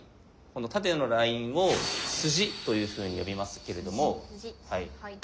この縦のラインを「筋」というふうに呼びますけれども。